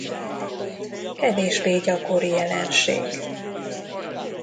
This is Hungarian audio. Kevésbé gyakori jelenség.